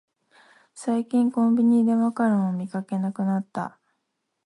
最近コンビニでマカロンを見かけなくなった